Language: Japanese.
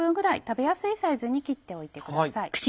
食べやすいサイズに切っておいてください。